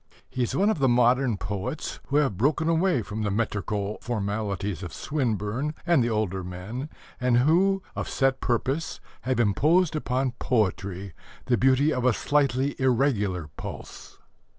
He is one of the modern poets who have broken away from the metrical formalities of Swinburne and the older men, and who, of set purpose, have imposed upon poetry the beauty of a slightly irregular pulse.